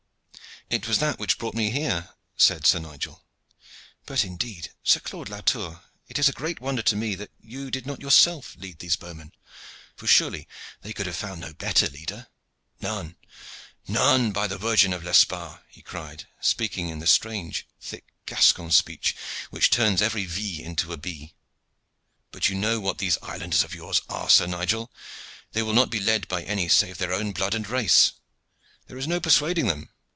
"It was that which brought me here," said Sir Nigel. "But indeed, Sir Claude Latour, it is a great wonder to me that you did not yourself lead these bowmen, for surely they could have found no better leader?" "None, none, by the Virgin of L'Esparre!" he cried, speaking in the strange, thick Gascon speech which turns every v into a b. "But you know what these islanders of yours are, Sir Nigel. They will not be led by any save their own blood and race. There is no persuading them.